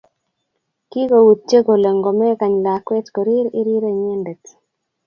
Kikoutye kole ngomekany lakwet korir irire inyendet